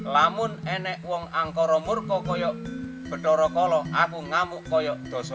namun enak orang yang lebih sabar saya bisa menangis